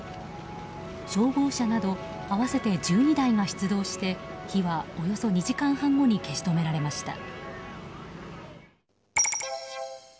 消防車など合わせて１２台が出動して火はおよそ２時間半後に消し止められました。